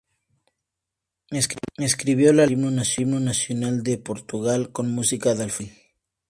Escribió la letra del Himno Nacional de Portugal, con música de Alfredo Keil.